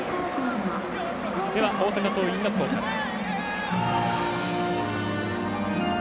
では、大阪桐蔭の校歌です。